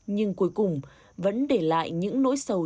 nhưng cuối cùng vẫn để lại những nỗi sầu